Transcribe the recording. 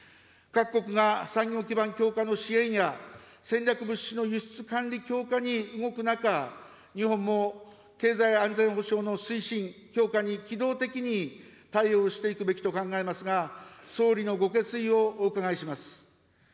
各国が産業基盤強化の支援や、戦略物資の輸出管理強化に動く中、日本も経済安全保障の推進・強化に機動的に対応していくべきと考えますが、総理のご決意をお伺いします。